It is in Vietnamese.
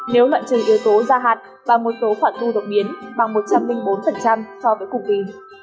nếu loạn trừ yếu tố gia hạt và mối tố khoản thu độc biến bằng một trăm linh bốn so với cục kỳ